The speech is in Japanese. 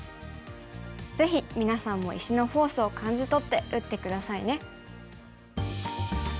ぜひ皆さんも石のフォースを感じとって打って下さいね。